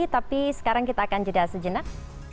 tapi sekarang kita akan jeda sejenak